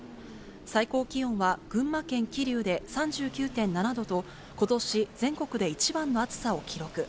最高気温は群馬県桐生で３９．７度と、ことし全国で一番の暑さを記録。